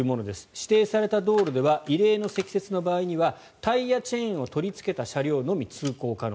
指定された道路では異例の積雪の場合にはタイヤチェーンを取りつけた車両のみ通行可能。